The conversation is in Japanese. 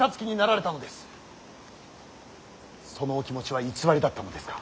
そのお気持ちは偽りだったのですか。